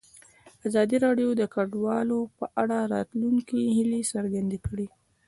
ازادي راډیو د کډوال په اړه د راتلونکي هیلې څرګندې کړې.